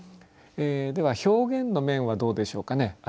では表現の面はどうでしょうかね。